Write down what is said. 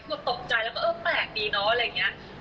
คือตกใจแล้วก็เออแปลกดีเนอะอะไรอย่างนี้